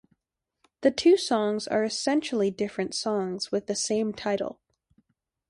The two songs are essentially different songs with the same title.